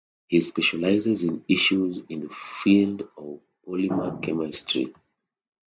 He specializes in issues in the field of polymer chemistry.